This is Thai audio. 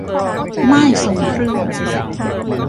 ม่ายทรงเครื่อง